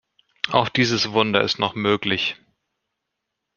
Auch dieses Wunder ist noch möglich.